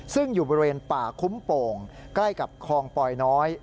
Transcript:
ซึ่งอยู่บริเวณป่าคุ้มโป่งใกล้กับคลองปอยน้อย